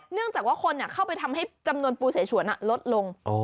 เนื่องจากว่าคนเข้าไปทำให้จำนวนปูเสฉวนลดลง